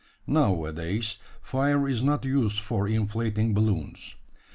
Now a days, fire is not used for inflating balloons.